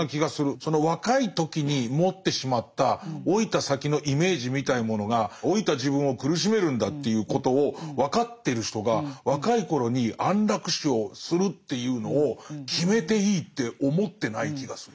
その若い時に持ってしまった老いた先のイメージみたいなものが老いた自分を苦しめるんだっていうことを分かってる人が若い頃に安楽死をするっていうのを決めていいって思ってない気がする。